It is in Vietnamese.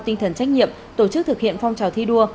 tinh thần trách nhiệm tổ chức thực hiện phong trào thi đua